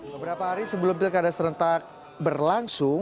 beberapa hari sebelum pilkada serentak berlangsung